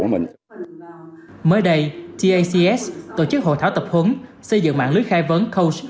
mới đây tacs tổ chức hội thảo tập huấn xây dựng mạng lưới khai vấn cos